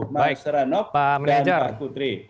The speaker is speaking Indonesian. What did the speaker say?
mas ranop dan pak kudri